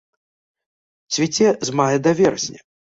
Цвіце з мая да верасня.